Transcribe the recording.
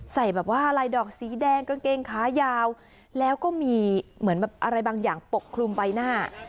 ใส่แบบว่าลายดอกสีแดงกางเกงขายาวแล้วก็มีเหมือนแบบอะไรบางอย่างปกคลุมใบหน้า